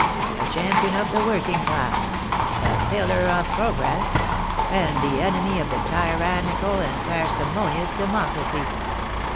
The Champion of the working class ; the Pillar of Progress ; and the Enemy of a /j^rannical and parsimonious democracy.'